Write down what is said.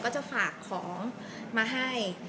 จะฝากของมาให้